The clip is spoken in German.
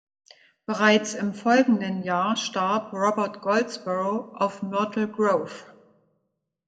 Bereits im folgenden Jahr starb Robert Goldsborough auf "Myrtle Grove".